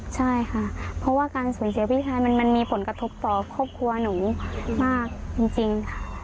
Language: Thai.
ใช่ค่ะเพราะว่าการสูญเสียพี่ชายมันมีผลกระทบต่อครอบครัวหนูมากจริงค่ะ